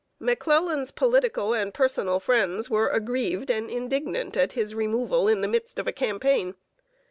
McClellan's political and personal friends were aggrieved and indignant at his removal in the midst of a campaign.